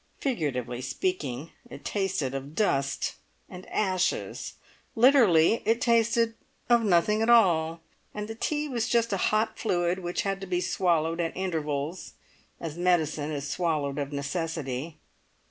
Figuratively speaking, it tasted of dust and ashes; literally, it tasted of nothing at all, and the tea was just a hot fluid which had to be swallowed at intervals, as medicine is swallowed of necessity.